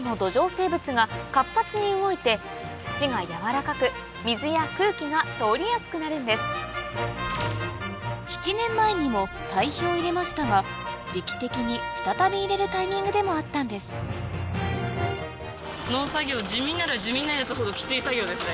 生物が活発に動いて土がやわらかく水や空気が通りやすくなるんです７年前にも堆肥を入れましたが時期的に再び入れるタイミングでもあったんですです